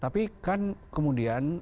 tapi kan kemudian